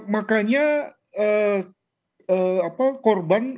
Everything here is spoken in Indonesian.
makanya korban eh keluarga